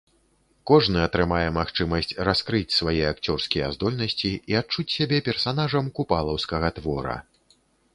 Кожны атрымае магчымасць раскрыць свае акцёрскія здольнасці і адчуць сябе персанажам купалаўскага твора.